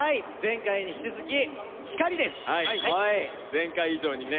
前回以上にね